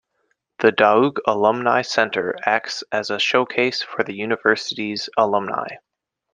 The Dauch Alumni Center acts as a showcase for the university's alumni.